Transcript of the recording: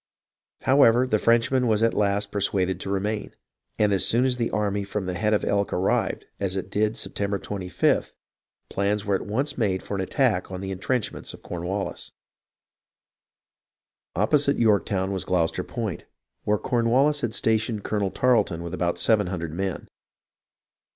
However, the Frenchman was at last persuaded to remain, and as soon as the army from the Head of Elk arrived, as it did Sep tember 25th, plans were at once made for an attack on the intrenchments of Cornwallis. Opposite Yorktovvn was Gloucester Point, where Corn wallis had stationed Colonel Tarleton with about seven hundred men.